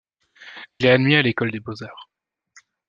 Il est admis à l'école des Beaux-Arts.